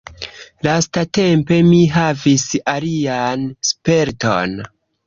Lastatempe mi havis alian sperton.